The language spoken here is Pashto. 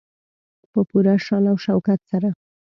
په پوره شان او شوکت سره.